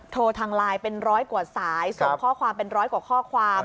ทางไลน์เป็นร้อยกว่าสายส่งข้อความเป็นร้อยกว่าข้อความ